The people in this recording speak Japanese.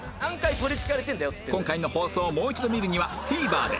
今回の放送をもう一度見るには ＴＶｅｒ で